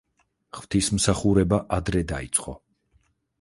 ღვთისმსახურება ადრე დაიწყო.